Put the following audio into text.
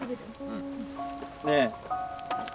うん。ねえ。